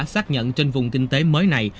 xác nhận trên vùng kinh tế mới này